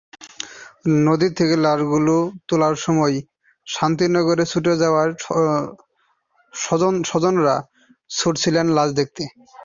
নদী থেকে লাশগুলো তোলার সময় শান্তিনগরে ছুটে যাওয়া স্বজনেরা ছুটছিলেন লাশ দেখতে।